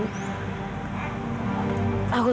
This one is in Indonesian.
aku takut banget